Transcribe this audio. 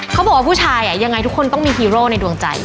เขาบอกว่าผู้ชายยังไงทุกคนต้องมีฮีโร่ในดวงใจ